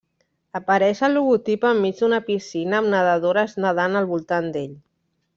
Apareix el logotip enmig d'una piscina amb nedadores nedant al voltant d'ell.